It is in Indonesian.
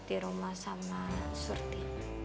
di rumah sama surti